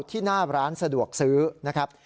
ที่หน้าร้านสะดวกซื้อนะครับ